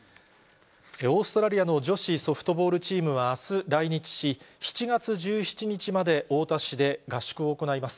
オーストラリアの女子ソフトボールチームは、あす来日し、７月１７日まで太田市で合宿を行います。